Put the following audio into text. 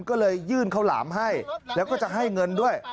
ก็เลยยื่นข้าวหลามให้แล้วก็จะให้เงินด้วย